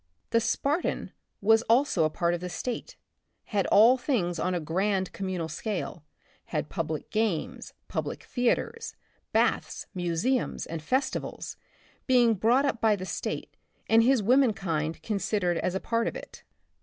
The Spartan was also a part of the State — had all things on a grand Communal scale — had public games, public thea ters, baths, museums and festivals, being brought up by the state and his womenkind considered as a part of it.